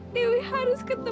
dewi harus cari bapak